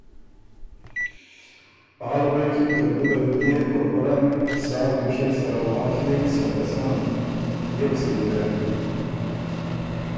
آل غوېکِن که ګُده بيې په پۀ رنګ سا ګُوشئ سره واک يېن سکه ته سن، بيې وه سو جیرېن“